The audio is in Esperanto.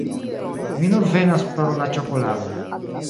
Mi nur venas por la ĉokolado